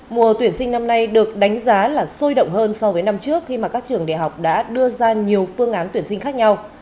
mùa tuyển sinh năm nay được đánh giá là sôi động hơn so với năm trước khi mà các trường đại học đã đưa ra nhiều phương án tuyển sinh khác nhau